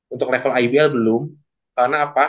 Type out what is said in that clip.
untuk level ibl belum karena apa